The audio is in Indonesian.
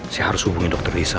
saya harus hubungi dokter lisa